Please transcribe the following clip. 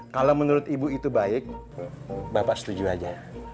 kalau menurut ibu itu baik bapak setuju aja